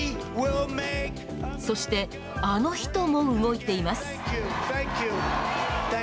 そして、あの人も動いています。